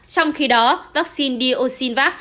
trong khi đó vaccine d o sinvac